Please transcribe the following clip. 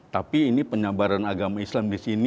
tapi penyebaran agama islam disini